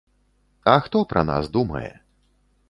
А хто пра нас думае?